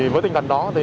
với tinh thần đó